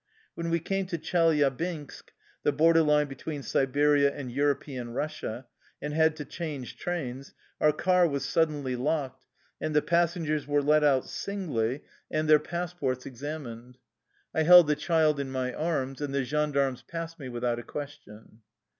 When we came to Chelyabinsk — the border line between Siberia and European Russia — and had to change trains, our car was suddenly locked, and the passengers were let out singly and their pass is Drink money. 121 THE LIFE STOKY OF A RUSSIAN EXILE ports examined. I held tbe child in my arms, and the gendarmes passed me without a ques tion.